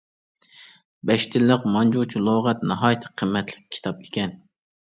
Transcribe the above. - «بەش تىللىق مانجۇچە لۇغەت» ناھايىتى قىممەتلىك كىتاب ئىكەن.